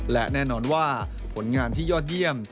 และแน่นอนว่าผลงานที่ยอดเยี่ยม